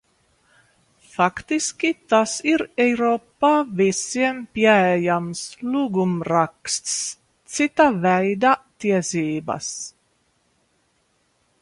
Faktiski tas ir Eiropā visiem pieejams lūgumraksts, cita veida tiesības.